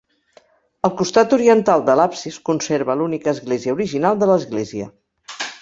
El costat oriental de l'absis conserva l'única església original de l'església.